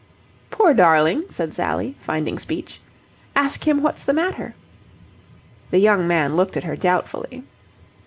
"Poor darling!" said Sally, finding speech. "Ask him what's the matter." The young man looked at her doubtfully.